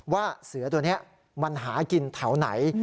ว่าเสือตัวนี้มันหากินแถวไหน